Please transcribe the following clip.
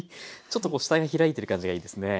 ちょっとこう下に開いてる感じがいいですね。